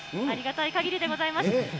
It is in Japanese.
ありがたいかぎりでございます。